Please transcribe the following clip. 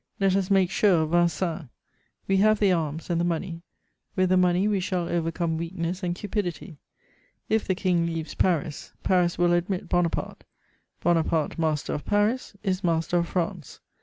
Let us make sure of Vincennes. We have the arms and the money; with the money we shall overcome weakness and cupidity. If the King leaves Paris, Paris will admit Bonaparte; Bonaparte master of Paris is master of France.